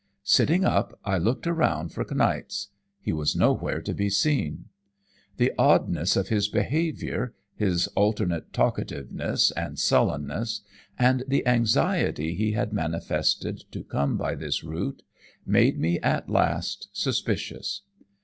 Sitting up, I looked around for Kniaz he was nowhere to be seen. The oddness of his behaviour, his alternate talkativeness and sullenness, and the anxiety he had manifested to come by this route, made me at last suspicious.